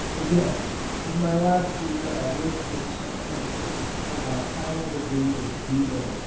Again, in my last year I worked with some earnestness for my final degree of B.A.